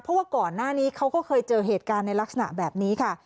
เพราะว่าก่อนหน้านี้เขาก็เคยเจอเหตุการณ์ในลักษณะแบบนี้ค่ะ